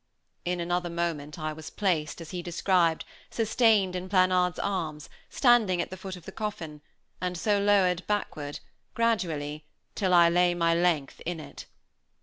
In another moment I was placed, as he described, sustained in Planard's arms, standing at the foot of the coffin, and so lowered backward, gradually, till I lay my length in it.